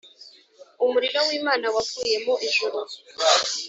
Umuriro w’Imana wavuye mu ijuru